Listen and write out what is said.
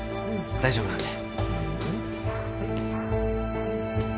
大丈夫なんで。